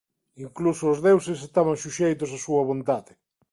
Incluso os deuses estaban suxeitos á súa vontade.